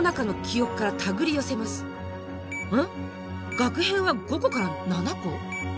がく片は５個から７個？